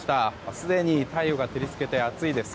すでに太陽が照り付けて暑いです。